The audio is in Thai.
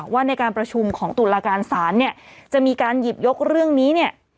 ว่าในการประชุมของตุลาการศาลเนี่ยจะมีการหยิบยกเรื่องนี้เนี่ย